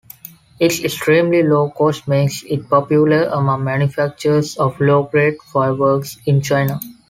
Its extremely low cost makes it popular among manufacturers of low-grade fireworks in China.